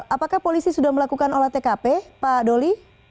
apakah polisi sudah melakukan olah tkp pak doli